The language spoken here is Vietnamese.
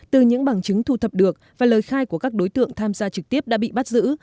từ những bằng chứng thu thập được và lời khai của các đối tượng tham gia trực tiếp đã bị bắt giữ